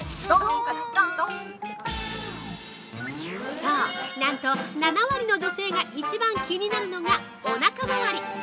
◆そう、なんと７割の女性が一番気になるのが、おなか周り！